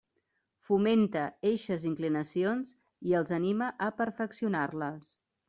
Fomenta eixes inclinacions i els anima a perfeccionar-les.